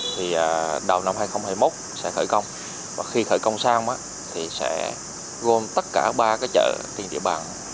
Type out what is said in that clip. thì đầu năm hai nghìn hai mươi một sẽ khởi công và khi khởi công xong thì sẽ gồm tất cả ba cái chợ tiền địa bàn